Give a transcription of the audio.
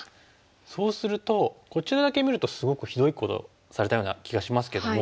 そうするとこちらだけ見るとすごくひどいことをされたような気がしますけども。